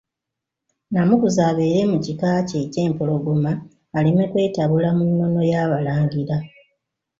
Nnamuguzi abeere mu kika kye eky'Empologoma aleme kwetabula mu nnono y'abalangira.